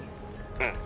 うん。